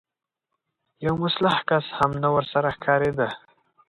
يو مسلح کس هم نه ورسره ښکارېده.